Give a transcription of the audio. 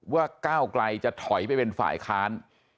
ก้าวไกลจะถอยไปเป็นฝ่ายค้าน